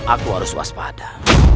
aku harus waspada